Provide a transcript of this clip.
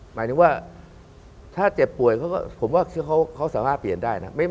หมายถึงว่าถ้าเจ็บป่วยเขาก็สภาพเปลี่ยนได้นะ